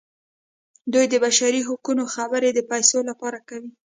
دوی د بشري حقونو خبرې د پیسو لپاره کوي.